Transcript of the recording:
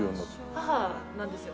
母なんですよ。